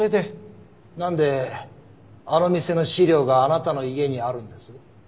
なんであの店の資料があなたの家にあるんです？